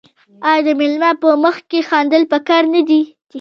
آیا د میلمه په مخ کې خندل پکار نه دي؟